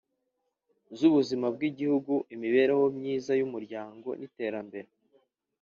z’ubuzima bw’igihugu, imibereho myiza y’umuryango n’iterambere